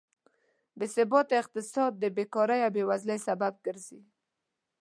بېثباته اقتصاد د بېکارۍ او بېوزلۍ سبب ګرځي.